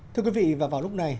thưa quý vị và vào lúc này